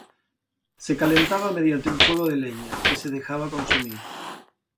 Se calentaba mediante un fuego de leña, que se dejaba consumir.